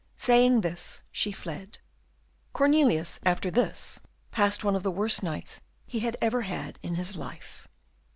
Saying this, she fled. Cornelius, after this, passed one of the worst nights he ever had in his life.